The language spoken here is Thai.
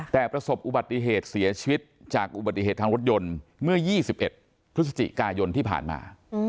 แต่ประสบอุบัติเหตุเสียชีวิตจากอุบัติเหตุทางรถยนต์เมื่อ๒๑พฤศจิกายนที่ผ่านมา